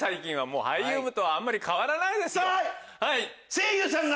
声優さん。